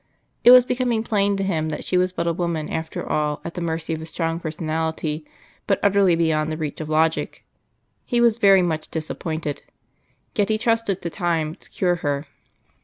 It was becoming plain to him that she was but a woman after all at the mercy of a strong personality, but utterly beyond the reach of logic. He was very much disappointed. Yet he trusted to time to cure her.